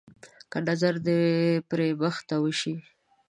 که نظر د پري مخ ته وشي.